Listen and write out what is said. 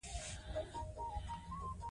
د هغې ناره به پر زړونو لګېدلې وي.